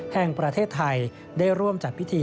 แห่งประเทศไทยได้ร่วมจัดพิธี